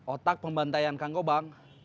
otak pembantaian kang gobang